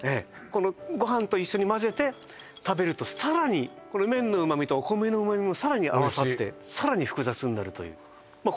このご飯と一緒に混ぜて食べるとさらにこの麺の旨味とお米の旨味もさらに合わさってさらに複雑になるというまあ